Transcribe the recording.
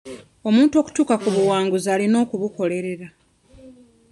Omuntu okutuuka ku buwanguzi alina kubukolerera.